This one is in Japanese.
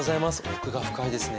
奥が深いですね。